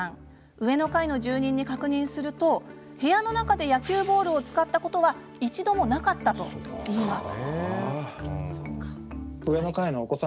上の階の住人に確認すると部屋の中で野球ボールを使ったことは一度もなかったといいます。